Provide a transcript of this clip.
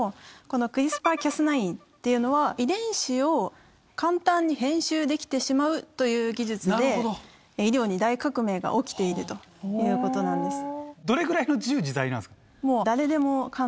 このクリスパー・キャスナインっていうのは遺伝子を簡単に編集できてしまうという技術で医療に大革命が起きているということなんです。